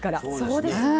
そうですね。